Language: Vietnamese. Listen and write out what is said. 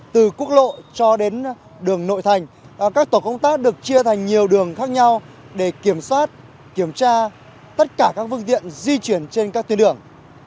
từ quốc lộ cho đến đường nội thành các tổ công tác được chia thành nhiều đường khác nhau để kiểm soát kiểm tra tất cả các phương tiện di chuyển trên các tuyến đường